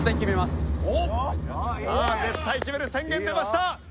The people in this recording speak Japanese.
さあ絶対決める宣言出ました。